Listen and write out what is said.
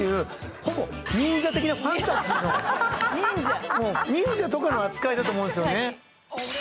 ほぼ忍者的なファンタジーの忍者とかの扱いだと思うんですよね。